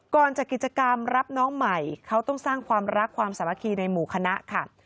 จัดกิจกรรมรับน้องใหม่เขาต้องสร้างความรักความสามัคคีในหมู่คณะค่ะ